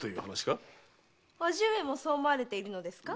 叔父上もそう思われているのですか？